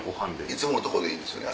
いつものとこでいいんですよね？